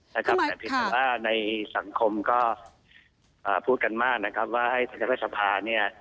แต่โดนเจราะในสังคมก็พูดกันมากนะครับว่าให้ทะเวสภาฯ